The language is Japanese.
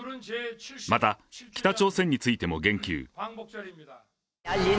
また、北朝鮮についても言及。